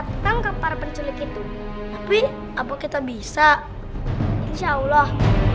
tetangga para penculik itu tapi apa kita bisa insyaallah